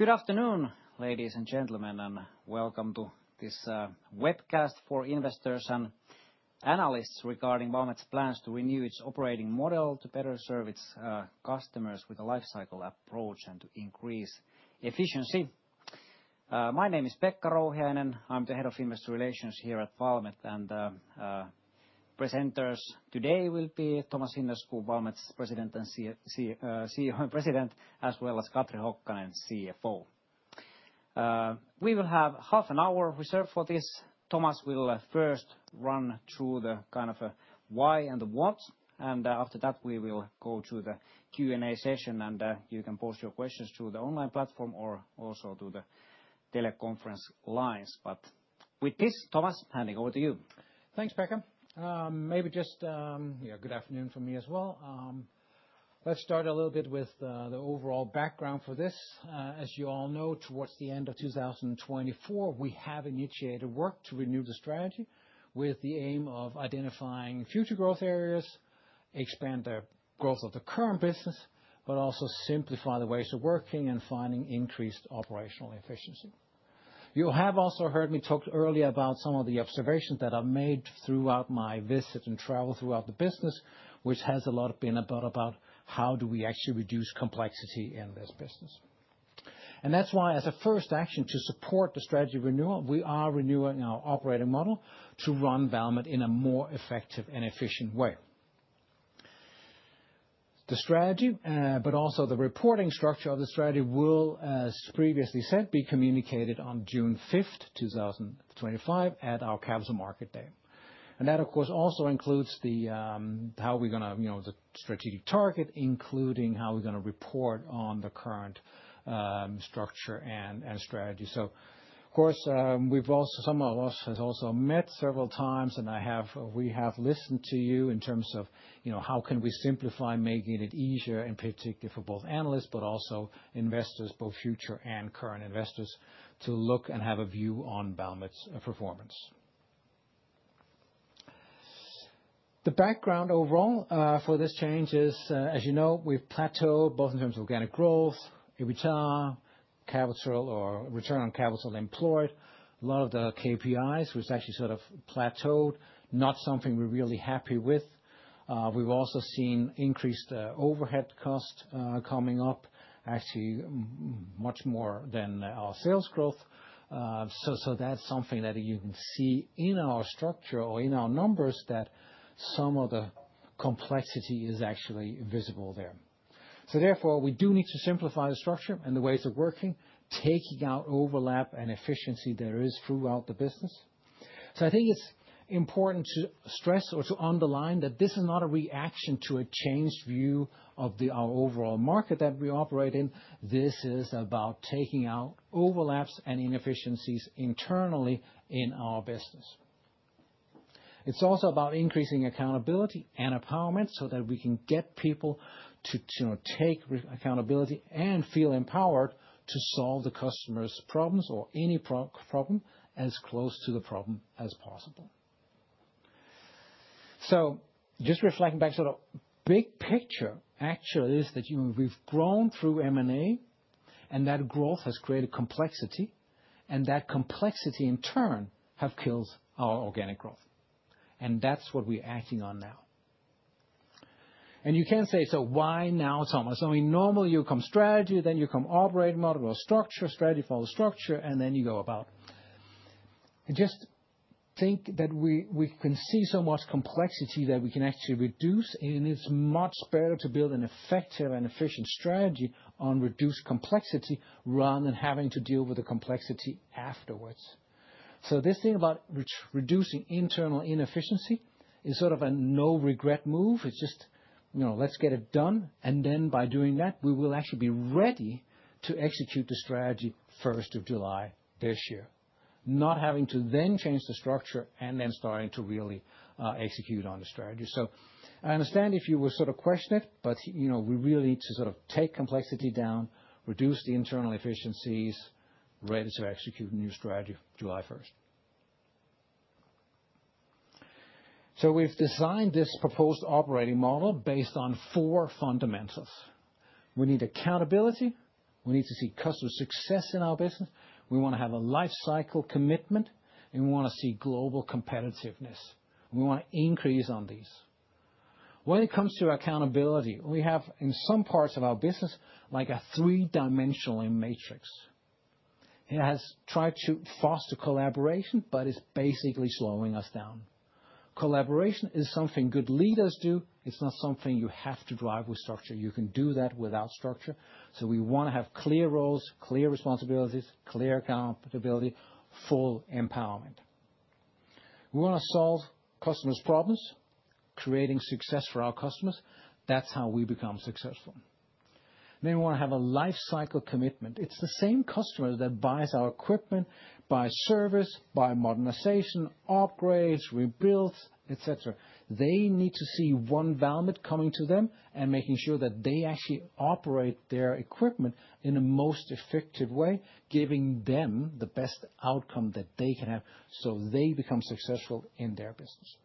Good afternoon, ladies and gentlemen, and welcome to this webcast for investors and analysts regarding Valmet's plans to renew its operating model to better serve its customers with a lifecycle approach and to increase efficiency. My name is Pekka Rouhiainen. I'm the Head of Investor Relations here at Valmet, and presenters today will be Thomas Hinnerskov, Valmet's President and CEO, as well as Katri Hokkanen, CFO. We will have half an hour reserved for this. Thomas will first run through the kind of a why and the what, and after that, we will go to the Q&A session, and you can post your questions through the online platform or also to the teleconference lines. With this, Thomas, handing over to you. Thanks, Pekka. Maybe just, yeah, good afternoon from me as well. Let's start a little bit with the overall background for this. As you all know, towards the end of 2024, we have initiated work to renew the strategy with the aim of identifying future growth areas, expand the growth of the current business, but also simplify the ways of working and finding increased operational efficiency. You have also heard me talk earlier about some of the observations that I've made throughout my visit and travel throughout the business, which has a lot been about how do we actually reduce complexity in this business. That is why, as a first action to support the strategy renewal, we are renewing our operating model to run Valmet in a more effective and efficient way. The strategy, but also the reporting structure of the strategy, will, as previously said, be communicated on June 5, 2025, at our Capital Markets Day. That, of course, also includes how we're going to, you know, the strategic target, including how we're going to report on the current structure and strategy. Of course, we've also, some of us have also met several times, and we have listened to you in terms of how can we simplify, making it easier, in particular for both analysts, but also investors, both future and current investors, to look and have a view on Valmet's performance. The background overall for this change is, as you know, we've plateaued both in terms of organic growth, EBITDA, capital or return on capital employed, a lot of the KPIs, which actually sort of plateaued, not something we're really happy with. We've also seen increased overhead costs coming up, actually much more than our sales growth. That's something that you can see in our structure or in our numbers that some of the complexity is actually visible there. Therefore, we do need to simplify the structure and the ways of working, taking out overlap and efficiency that is throughout the business. I think it's important to stress or to underline that this is not a reaction to a changed view of our overall market that we operate in. This is about taking out overlaps and inefficiencies internally in our business. It's also about increasing accountability and empowerment so that we can get people to take accountability and feel empowered to solve the customer's problems or any problem as close to the problem as possible. Just reflecting back, sort of big picture actually is that we've grown through M&A and that growth has created complexity and that complexity in turn has killed our organic growth. That's what we're acting on now. You can say, why now, Thomas? I mean, normally you come strategy, then you come operating model or structure, strategy for the structure, and then you go about. I just think that we can see so much complexity that we can actually reduce, and it's much better to build an effective and efficient strategy on reduced complexity rather than having to deal with the complexity afterwards. This thing about reducing internal inefficiency is sort of a no-regret move. It's just, you know, let's get it done. By doing that, we will actually be ready to execute the strategy 1 July this year, not having to then change the structure and then starting to really execute on the strategy. I understand if you were sort of questioned, but, you know, we really need to sort of take complexity down, reduce the internal efficiencies, ready to execute a new strategy 1 July. We have designed this proposed operating model based on four fundamentals. We need accountability. We need to see customer success in our business. We want to have a lifecycle commitment, and we want to see global competitiveness. We want to increase on these. When it comes to accountability, we have in some parts of our business like a three-dimensional matrix. It has tried to foster collaboration, but it is basically slowing us down. Collaboration is something good leaders do. It's not something you have to drive with structure. You can do that without structure. We want to have clear roles, clear responsibilities, clear accountability, full empowerment. We want to solve customers' problems, creating success for our customers. That's how we become successful. We want to have a lifecycle commitment. It's the same customer that buys our equipment, buys service, buys modernization, upgrades, rebuilds, etc. They need to see one Valmet coming to them and making sure that they actually operate their equipment in the most effective way, giving them the best outcome that they can have so they become successful in their business.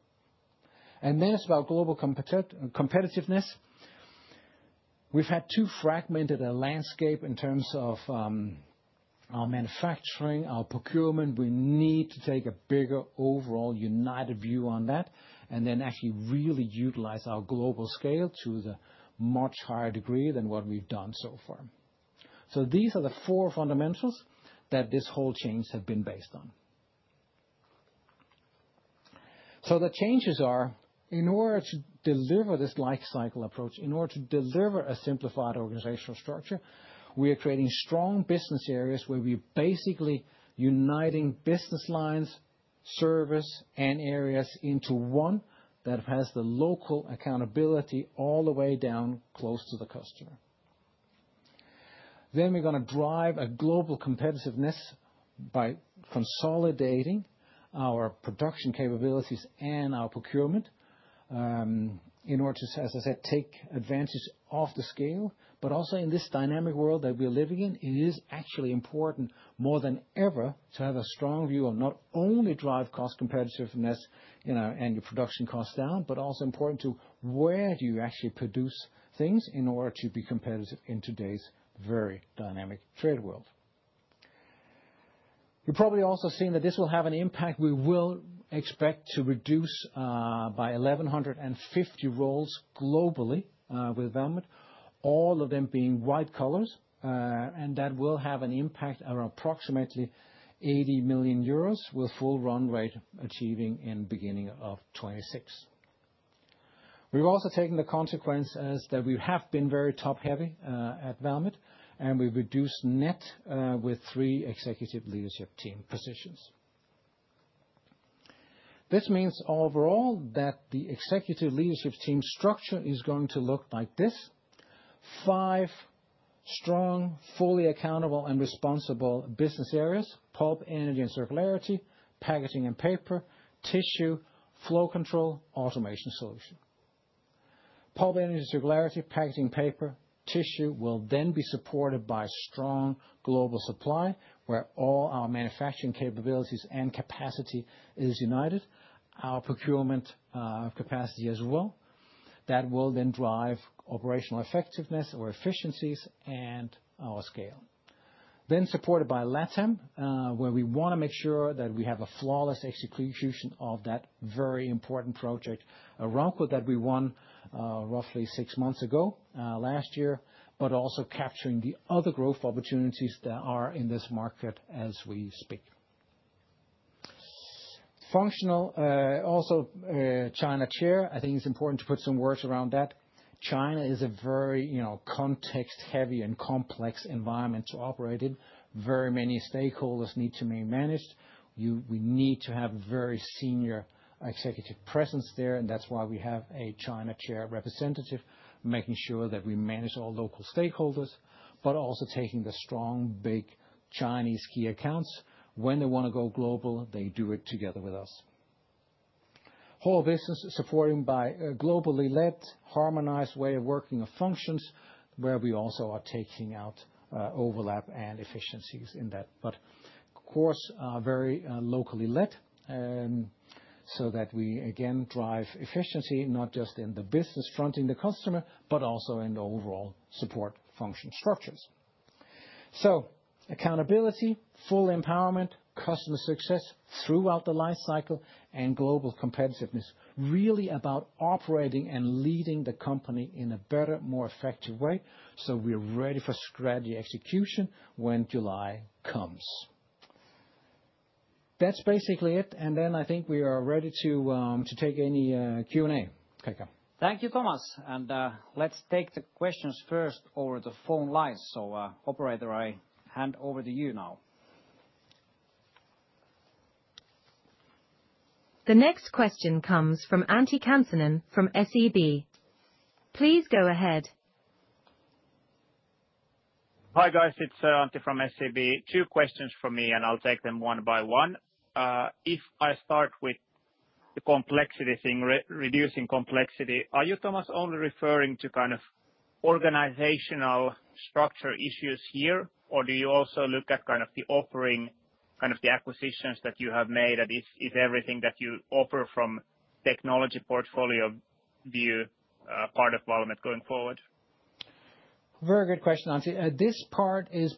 It is about global competitiveness. We've had to fragment the landscape in terms of our manufacturing, our procurement. We need to take a bigger overall united view on that and then actually really utilize our global scale to a much higher degree than what we've done so far. These are the four fundamentals that this whole change has been based on. The changes are, in order to deliver this Lifecycle Approach, in order to deliver a simplified organizational structure, we are creating strong business areas where we're basically uniting business lines, service, and areas into one that has the local accountability all the way down close to the customer. We are going to drive global competitiveness by consolidating our production capabilities and our procurement in order to, as I said, take advantage of the scale. Also in this dynamic world that we're living in, it is actually important more than ever to have a strong view on not only drive cost competitiveness and your production costs down, but also important to where do you actually produce things in order to be competitive in today's very dynamic trade world. You've probably also seen that this will have an impact. We will expect to reduce by 1,150 roles globally with Valmet, all of them being white-collar, and that will have an impact around approximately 80 million euros with full run rate achieving in the beginning of 2026. We've also taken the consequence that we have been very top-heavy at Valmet, and we've reduced net with three executive leadership team positions. This means overall that the executive leadership team structure is going to look like this: five strong, fully accountable and responsible business areas: Pulp, Energy, and Circularity, Packaging and Paper, Tissue, Flow Control, Automation Solution. Pulp, Energy, Circularity, Packaging, Paper, Tissue will then be supported by strong global supply where all our manufacturing capabilities and capacity is united, our procurement capacity as well. That will then drive operational effectiveness or efficiencies and our scale. Supported by Latin America, where we want to make sure that we have a flawless execution of that very important project, Arauco that we won roughly six months ago last year, but also capturing the other growth opportunities that are in this market as we speak. Functional, also China area, I think it's important to put some words around that. China is a very, you know, context-heavy and complex environment to operate in. Very many stakeholders need to be managed. We need to have very senior executive presence there, and that's why we have a China chair representative making sure that we manage all local stakeholders, but also taking the strong, big Chinese key accounts. When they want to go global, they do it together with us. Whole business supported by a globally led, harmonized way of working of functions where we also are taking out overlap and efficiencies in that. Of course, very locally led so that we again drive efficiency, not just in the business fronting the customer, but also in the overall support function structures. Accountability, full empowerment, customer success throughout the lifecycle, and global competitiveness really about operating and leading the company in a better, more effective way. We're ready for strategy execution when July comes. That's basically it. I think we are ready to take any Q&A, Pekka. Thank you, Thomas. Let's take the questions first over the phone line. Operator, I hand over to you now. The next question comes from Antti Kansanen from SEB. Please go ahead. Hi guys, it's Antti from SEB. Two questions for me, and I'll take them one by one. If I start with the complexity thing, reducing complexity, are you, Thomas, only referring to kind of organizational structure issues here, or do you also look at kind of the offering, kind of the acquisitions that you have made? Is everything that you offer from technology portfolio view part of Valmet going forward? Very good question, Antti. This part is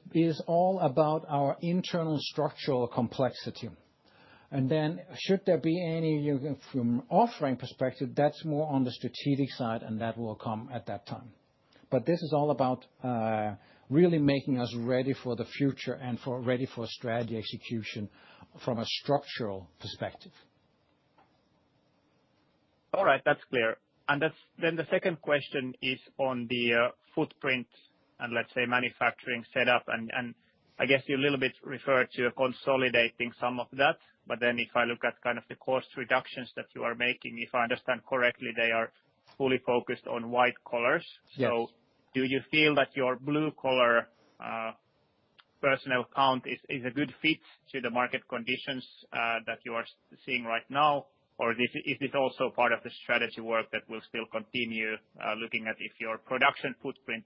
all about our internal structural complexity. If there should be any from offering perspective, that's more on the strategic side, and that will come at that time. This is all about really making us ready for the future and ready for strategy execution from a structural perspective. All right, that's clear. The second question is on the footprint and let's say manufacturing setup. I guess you a little bit referred to consolidating some of that, but if I look at kind of the cost reductions that you are making, if I understand correctly, they are fully focused on white-collar. Do you feel that your blue-collar personnel count is a good fit to the market conditions that you are seeing right now, or is this also part of the strategy work that will still continue looking at if your production footprint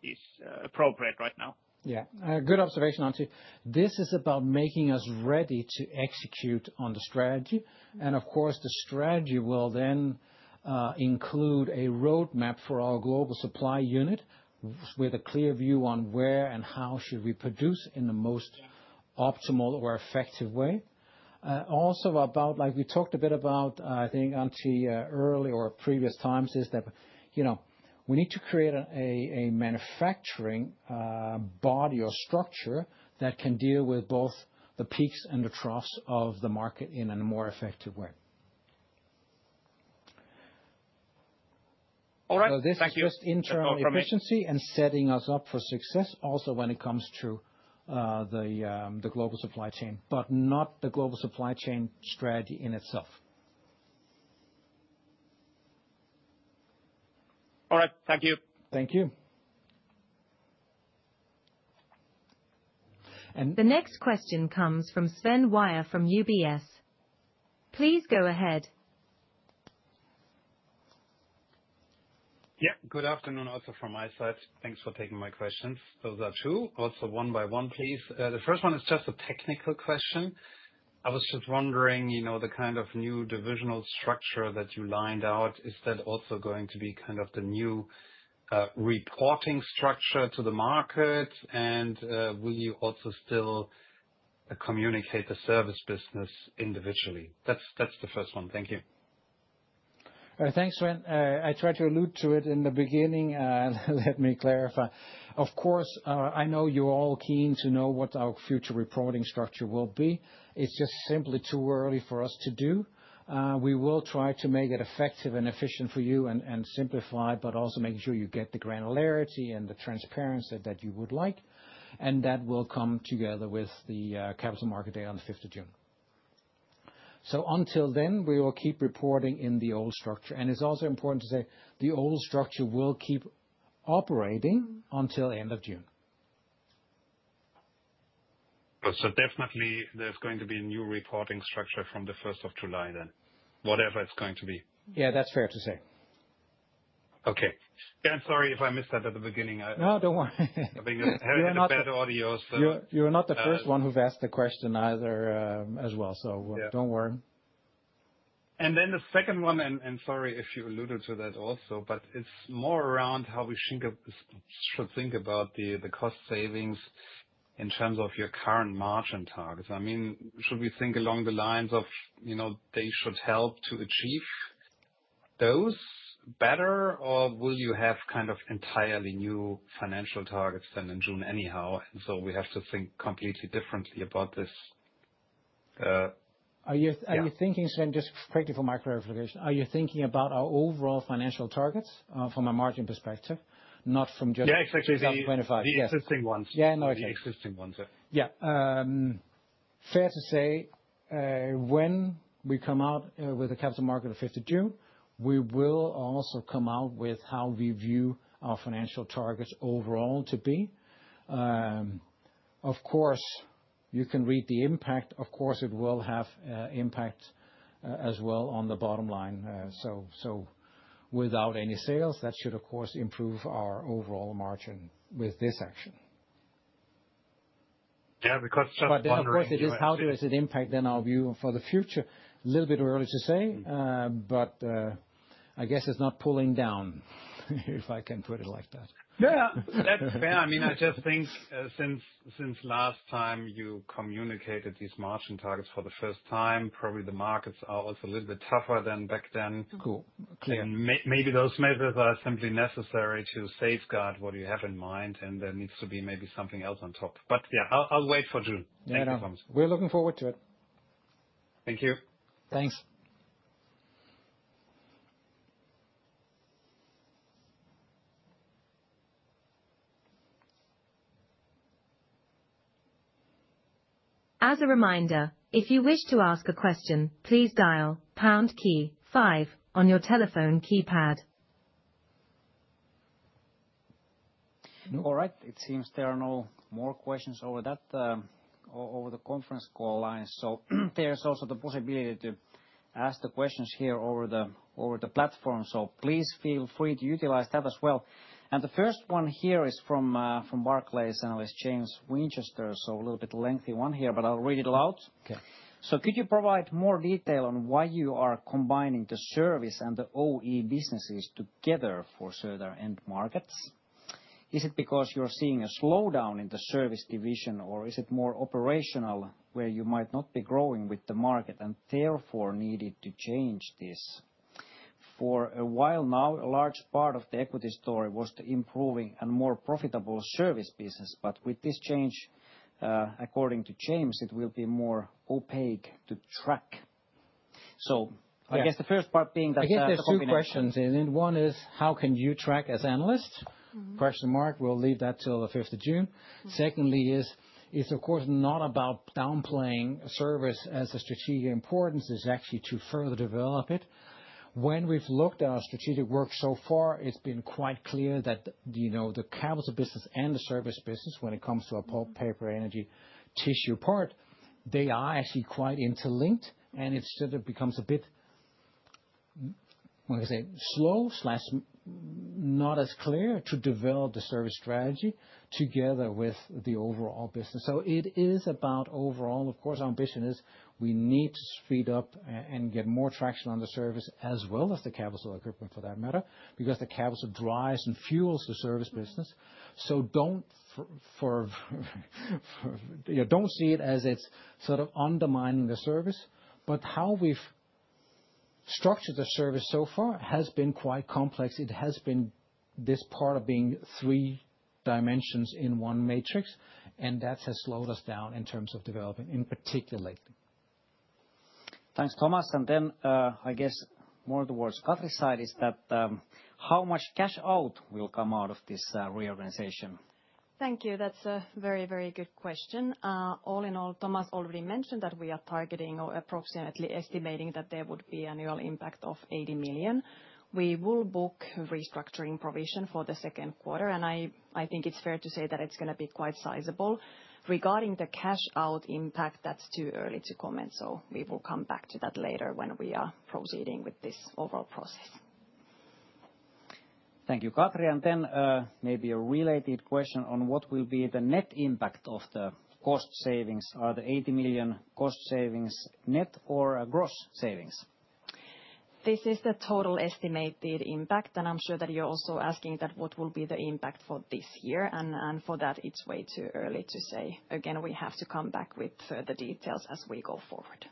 is appropriate right now? Yeah, good observation, Antti. This is about making us ready to execute on the strategy. Of course, the strategy will then include a roadmap for our global supply unit with a clear view on where and how should we produce in the most optimal or effective way. Also about, like we talked a bit about, I think Antti early or previous times, is that, you know, we need to create a manufacturing body or structure that can deal with both the peaks and the troughs of the market in a more effective way. All right, thank you. This is just internal efficiency and setting us up for success also when it comes to the global supply chain, but not the global supply chain strategy in itself. All right, thank you. Thank you. The next question comes from Sven Weier from UBS. Please go ahead. Yeah, good afternoon also from my side. Thanks for taking my questions. Those are two. Also one by one, please. The first one is just a technical question. I was just wondering, you know, the kind of new divisional structure that you lined out, is that also going to be kind of the new reporting structure to the market? And will you also still communicate the service business individually? That's the first one. Thank you. Thanks, Sven. I tried to allude to it in the beginning. Let me clarify. Of course, I know you're all keen to know what our future reporting structure will be. It's just simply too early for us to do. We will try to make it effective and efficient for you and simplify, but also make sure you get the granularity and the transparency that you would like. That will come together with the Capital Markets Day on the 5th of June. Until then, we will keep reporting in the old structure. It is also important to say the old structure will keep operating until the end of June. There is definitely going to be a new reporting structure from the 1st of July then, whatever it is going to be. Yeah, that's fair to say. Okay. Yeah, I'm sorry if I missed that at the beginning. No, don't worry. I've been having a bad audio. You're not the first one who's asked the question either, so don't worry. The second one, and sorry if you alluded to that also, but it is more around how we should think about the cost savings in terms of your current margin targets. I mean, should we think along the lines of, you know, they should help to achieve those better, or will you have kind of entirely new financial targets then in June anyhow? I mean, do we have to think completely differently about this? Are you thinking, Sven, just quickly for my clarification, are you thinking about our overall financial targets from a margin perspective, not from just 2025? Yeah, exactly. The existing ones. Yeah, no idea. The existing ones. Yeah. Fair to say when we come out with the Capital Markets Day on the 5th of June, we will also come out with how we view our financial targets overall to be. Of course, you can read the impact. Of course, it will have an impact as well on the bottom line. Without any sales, that should, of course, improve our overall margin with this action. Yeah, because just one very quick. Of course, it is, how does it impact then our view for the future? A little bit early to say, but I guess it's not pulling down, if I can put it like that. Yeah, that's fair. I mean, I just think since last time you communicated these margin targets for the first time, probably the markets are also a little bit tougher than back then. Maybe those measures are simply necessary to safeguard what you have in mind, and there needs to be maybe something else on top. Yeah, I'll wait for June. Thank you, Thomas. We're looking forward to it. Thank you. Thanks. As a reminder, if you wish to ask a question, please dial pound key five on your telephone keypad. All right, it seems there are no more questions over that, over the conference call line. There is also the possibility to ask the questions here over the platform. Please feel free to utilize that as well. The first one here is from Barclays analyst James Winchester. A little bit lengthy one here, but I'll read it aloud. Could you provide more detail on why you are combining the service and the OE businesses together for certain end markets? Is it because you're seeing a slowdown in the service division, or is it more operational where you might not be growing with the market and therefore needed to change this? For a while now, a large part of the equity story was the improving and more profitable service business, but with this change, according to James, it will be more opaque to track. I guess the first part being that. I guess there are two questions. One is, how can you track as analyst? We'll leave that till the 5th of June. Secondly is, it's of course not about downplaying service as a strategic importance. It's actually to further develop it. When we've looked at our strategic work so far, it's been quite clear that, you know, the capital business and the service business, when it comes to a pulp, paper, energy tissue part, they are actually quite interlinked, and it sort of becomes a bit, what do you say, slow/not as clear to develop the service strategy together with the overall business. It is about overall. Of course, our ambition is we need to speed up and get more traction on the service as well as the capital equipment for that matter, because the capital drives and fuels the service business. Do not see it as it's sort of undermining the service, but how we've structured the service so far has been quite complex. It has been this part of being three dimensions in one matrix, and that has slowed us down in terms of developing, in particular lately. Thanks, Thomas. I guess more towards Katri's side is that how much cash out will come out of this reorganization? Thank you. That's a very, very good question. All in all, Thomas already mentioned that we are targeting or approximately estimating that there would be annual impact of 80 million. We will book restructuring provision for the second quarter, and I think it's fair to say that it's going to be quite sizable. Regarding the cash out impact, that's too early to comment, so we will come back to that later when we are proceeding with this overall process. Thank you, Katri. Maybe a related question on what will be the net impact of the cost savings. Are the 80 million cost savings net or gross savings? This is the total estimated impact, and I'm sure that you're also asking that what will be the impact for this year, and for that, it's way too early to say. Again, we have to come back with further details as we go forward.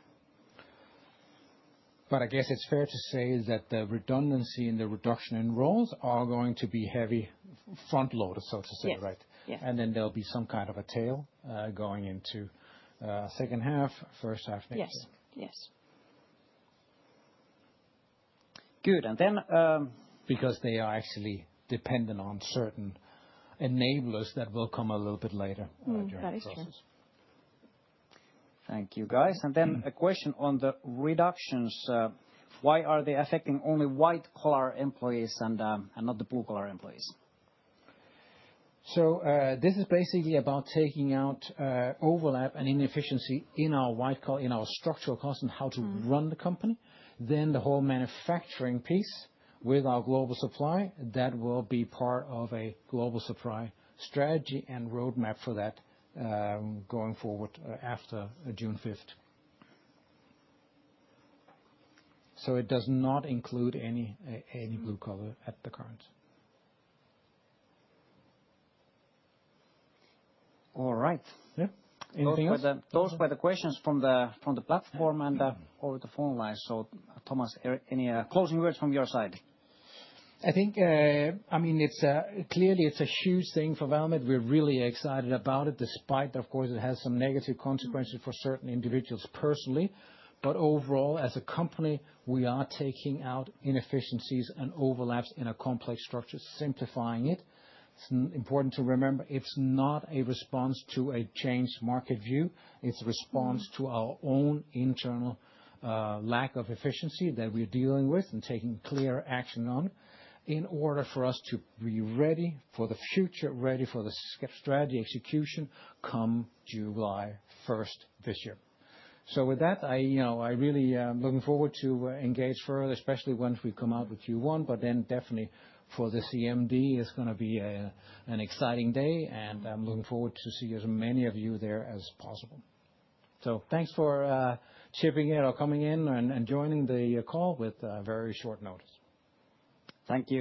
I guess it's fair to say that the redundancy and the reduction in roles are going to be heavy front loaders, so to say, right? And then there'll be some kind of a tail going into second half, first half, next half. Yes, yes. Good. Then. Because they are actually dependent on certain enablers that will come a little bit later during the process. That is true. Thank you, guys. A question on the reductions. Why are they affecting only white-collar employees and not the blue-collar employees? This is basically about taking out overlap and inefficiency in our white-collar, in our structural costs and how to run the company. The whole manufacturing piece with our global supply, that will be part of a global supply strategy and roadmap for that going forward after June 5, 2025. It does not include any blue-collar at the current. All right. Anything else? Those were the questions from the platform and over the phone line. Thomas, any closing words from your side? I think, I mean, clearly it's a huge thing for Valmet. We're really excited about it, despite, of course, it has some negative consequences for certain individuals personally. Overall, as a company, we are taking out inefficiencies and overlaps in a complex structure, simplifying it. It's important to remember it's not a response to a changed market view. It's a response to our own internal lack of efficiency that we're dealing with and taking clear action on in order for us to be ready for the future, ready for the strategy execution come July 1 this year. With that, I really am looking forward to engage further, especially once we come out with Q1, but then definitely for the Capital Markets Day, it's going to be an exciting day, and I'm looking forward to seeing as many of you there as possible. Thanks for chipping in or coming in and joining the call with very short notice. Thank you.